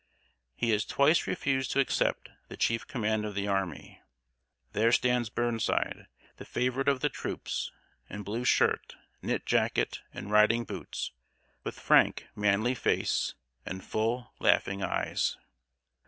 He has twice refused to accept the chief command of the army. There stands Burnside, the favorite of the troops, in blue shirt, knit jacket, and riding boots, with frank, manly face, and full, laughing eyes.